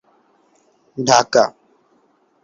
শহরের নামকরণ সম্পর্কে প্রকৃত তথ্য জানা যায়নি।